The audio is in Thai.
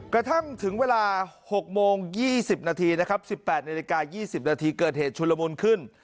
กระทั่งถึงเวลา๖โมง๒๐นาทีนะครับ๑๘นาฬิกา๒๐นาทีเกิดเหตุชุลมุนขึ้น